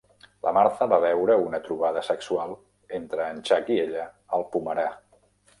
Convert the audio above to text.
La Martha va veure una trobada sexual entre en Chuck i ella al pomerar.